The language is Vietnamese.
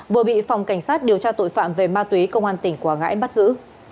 vừa bị phòng cảnh sát điều tra tội phạm về ma túy công an tỉnh quảng ngãi bắt giữ